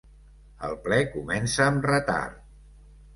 El ple comença amb retard.